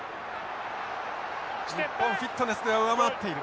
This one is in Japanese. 日本フィットネスでは上回っている。